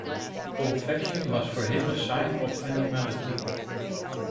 Olfaction was for him a sign of animality.